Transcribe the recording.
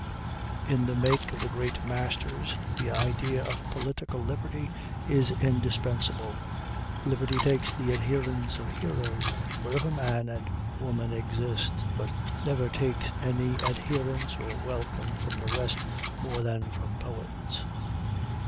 In the make of the great masters the idea of political liberty is indispensable. Liberty takes the adherence of heroes wherever man and woman exist but never takes any adherence or welcome from the rest more than from poets.